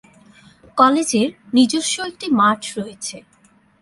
কলেজের নিজস্ব একটি মাঠ রয়েছে।